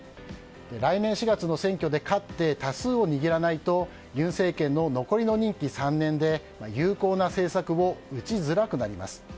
来年４月の選挙で勝って多数を握らないと尹政権の残りの任期３年で有効な政策を打ちづらくなります。